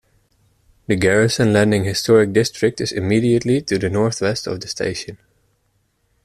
The Garrison Landing Historic District is immediately to the northwest of the station.